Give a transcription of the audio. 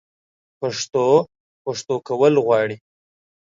پښتو؛ پښتو کول غواړي